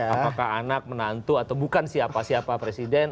apakah anak menantu atau bukan siapa siapa presiden